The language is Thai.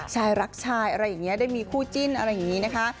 ชายรักชายอะไรอย่างนี้ได้มีคู่จิ้นอะไรอย่างนี้นะคะ